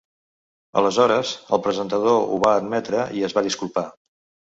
Aleshores, el presentador ho va admetre i es va disculpar.